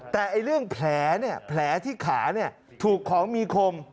แต่เรื่องแผลที่ขาถูกของมีคม